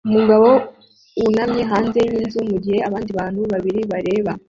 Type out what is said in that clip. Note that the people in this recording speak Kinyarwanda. Umugabo wunamye hanze yinzu mugihe abandi bantu babiri bareba